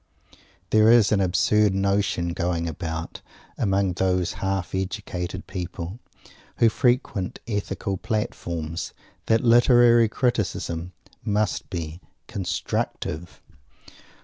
There is an absurd notion going about, among those half educated people who frequent Ethical Platforms, that Literary Criticism must be "constructive."